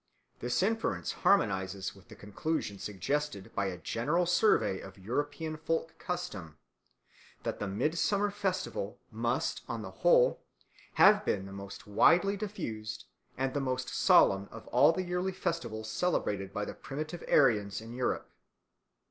This inference harmonises with the conclusion suggested by a general survey of European folk custom, that the midsummer festival must on the whole have been the most widely diffused and the most solemn of all the yearly festivals celebrated by the primitive Aryans in Europe.